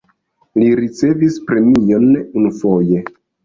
Li ricevis premion unufoje.